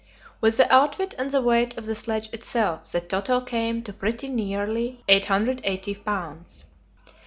With the outfit and the weight of the sledge itself, the total came to pretty nearly 880 pounds.